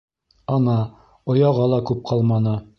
Ана, ояға ла күп ҡалманы.